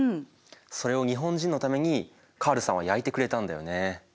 それを日本人のためにカールさんは焼いてくれたんだよね。